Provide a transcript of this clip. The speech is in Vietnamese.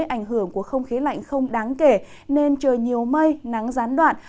ảnh hưởng của không khí lạnh không đáng kể nên trời nhiều mây nắng gián đoạn